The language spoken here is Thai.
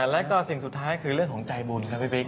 แล้วก็สิ่งสุดท้ายคือเรื่องของใจบุญครับพี่ปิ๊ก